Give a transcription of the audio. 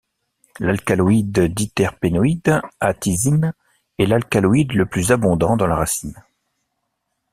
L'alcaloïde diterpénoïde atisine est l'alcaloïde le plus abondant dans la racine.